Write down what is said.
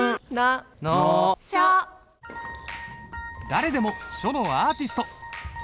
誰でも書のアーティスト！